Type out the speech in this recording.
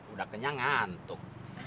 udah kenyang ngantuk